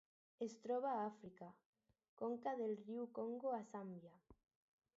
Es troba a Àfrica: conca del riu Congo a Zàmbia.